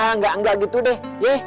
nggak gitu deh